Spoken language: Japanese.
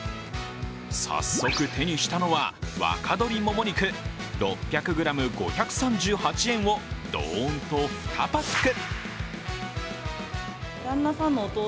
早速、手にしたのは若鶏もも肉６００ｇ５３８円をドーンと２パック。